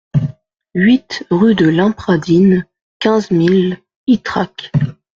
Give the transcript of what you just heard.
huit rue de l'Impradine, quinze mille Ytrac